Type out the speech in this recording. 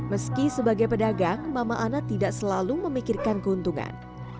meski sebagai pedagang mama ana tidak selalu memikirkan keuntungan